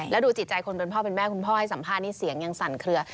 แล้วดูจิตใจคนเป็นพ่อเป็นแม่คุณพ่อให้สัมภาษณ์นี่เสียงยังสั่นเคลือ